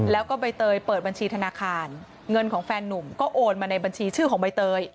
แล้วก็ใบเตยเปิดบัญชีธนาคารเงินของแฟนนุ่มก็โอนมาในบัญชีชื่อของใบเตย